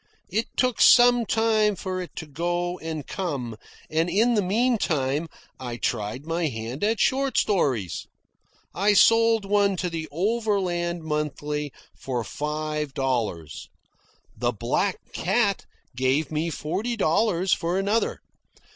It took some time for it to go and come, and in the meantime I tried my hand at short stories. I sold one to the "Overland Monthly" for five dollars. The "Black Cat" gave me forty dollars for another.